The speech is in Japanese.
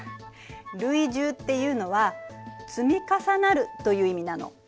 累重っていうのは「積み重なる」という意味なの。